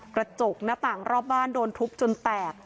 กระจกหน้าต่างรอบบ้านโดนทุบจนแตก